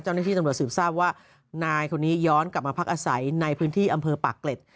เจ้าหน้าที่ตำรวจสืบทราบว่านายคนนี้ย้อนกลับมาพักอาศัยในพื้นที่อำเภอปากเกร็ด